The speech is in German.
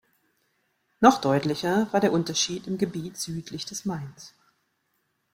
Noch deutlicher war der Unterschied im Gebiet südlich des Mains.